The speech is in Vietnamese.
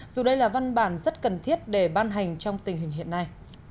dù đây là văn bản rất cần thiết để ban hành trong tình hình hiện nay